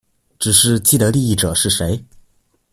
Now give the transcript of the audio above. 只是既得利益者是誰